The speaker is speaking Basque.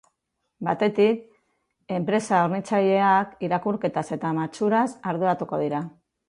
Batetik, enpresa hornitzaileak irakurketaz eta matxuraz arduratuko dira.